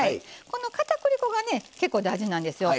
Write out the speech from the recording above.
このかたくり粉がね結構大事なんですよ。